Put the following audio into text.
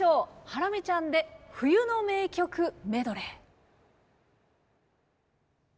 ハラミちゃんで冬の名曲メドレー。